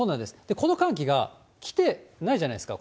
この寒気が来てないじゃないですか。